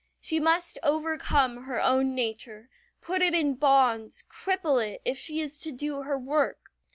She must overcome her own nature, put it in bonds, cripple it, if she is to do her work.